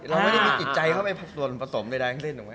เราไม่ได้มีกิจใจเข้าไปปรับส่วนประสมเลยนะ